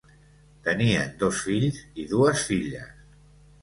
Tenien dos fills i dues filles.